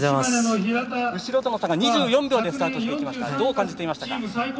後ろとの差が２４秒でスタートしていきましたがどう感じていましたか。